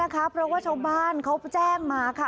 เพราะว่าชาวบ้านเขาแจ้งมาค่ะ